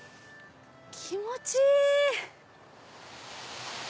気持ちいい！